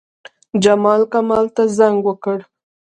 جمال، کمال ته زنګ وکړ.